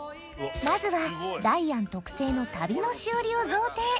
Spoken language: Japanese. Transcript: まずはダイアン特製の旅のしおりを贈呈！